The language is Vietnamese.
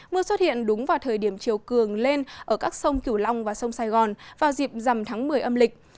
mưa xuất hiện đúng vào thời điểm chiều cường lên ở các sông kiều long và sông sài gòn vào dịp dằm tháng một mươi âm lịch